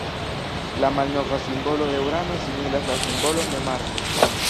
La malnova simbolo de Urano similas la simbolon de Marso.